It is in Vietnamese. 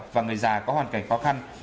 và người già có hoàn cảnh khó khăn